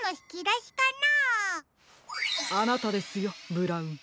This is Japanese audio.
あなたですよブラウン。